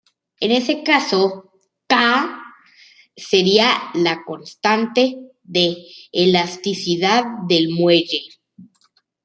En ese caso "k" sería la constante de elasticidad del muelle.